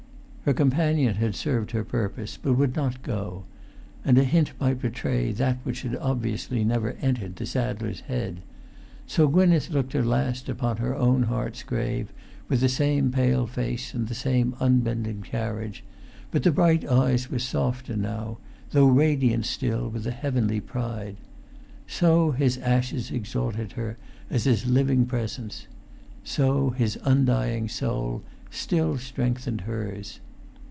Her companion had served her purpose; but would not go; and a hint might betray that which had obviously never entered the saddler's head. So Gwynneth looked her last upon her own heart's grave with the same pale face and the same unbending carriage; but the bright eyes were softer now, though radiant still with a heavenly pride. So his[Pg 404] ashes exalted her as his living presence; so his undying soul still strengthened hers.